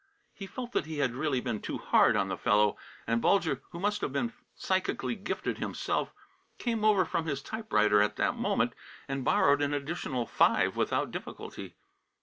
He felt that he had really been too hard on the fellow. And Bulger, who must have been psychically gifted himself, came over from his typewriter at that moment and borrowed an additional five without difficulty.